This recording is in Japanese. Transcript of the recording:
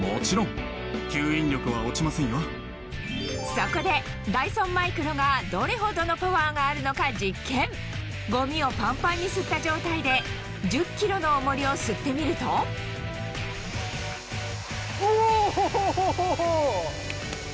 そこでダイソンマイクロがどれほどのパワーがあるのか実験ゴミをパンパンに吸った状態で１０ｋｇの重りを吸ってみるとおホホホ！